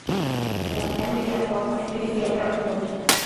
অ্যানোমিলিয়ামে বর্তমানে ট্রিনিটি একাই অবস্থান করছে।